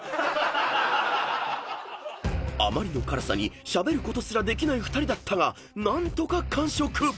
［あまりの辛さにしゃべることすらできない２人だったが何とか完食］